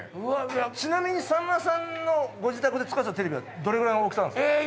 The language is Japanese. ちなみにさんまさんのご自宅で使ってたテレビはどれぐらいの大きさなんですか？